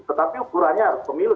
tetapi ukurannya harus pemilu